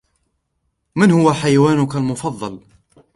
من هو حيوانك المفضل ؟